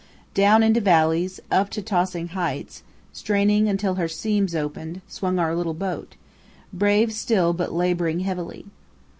Down into valleys, up to tossing heights, straining until her seams opened, swung our little boat, brave still but labouring heavily.